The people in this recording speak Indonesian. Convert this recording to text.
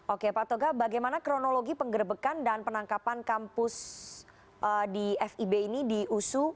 oke pak toga bagaimana kronologi penggerbekan dan penangkapan kampus di fib ini di usu